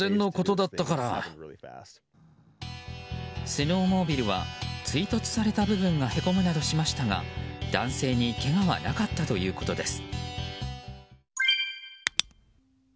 スノーモービルは追突された部分がへこむなどしましたが、男性にけがはなかったということです。